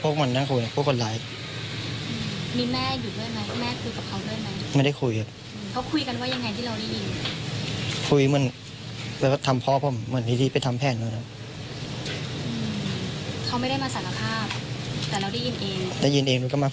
เขาบอกไหมคะว่าทำไมเขาถึงฆ่า